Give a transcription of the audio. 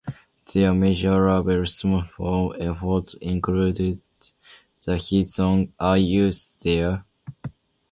Their major label sophomore effort included the hit song "Are You There?".